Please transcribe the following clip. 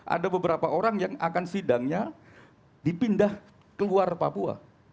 ada beberapa orang yang akan sidangnya dipindah keluar papua